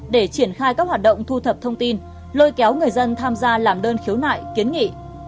để triển khai các hoạt động thu thập thông tin lôi kéo người dân tham gia làm đơn khiếu nại kiến nghị